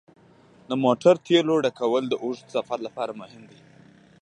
د موټر تیلو ډکول د اوږده سفر لپاره مهم دي.